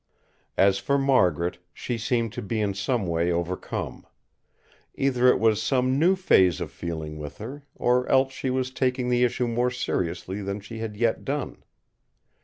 As for Margaret, she seemed to be in some way overcome. Either it was some new phase of feeling with her, or else she was taking the issue more seriously than she had yet done.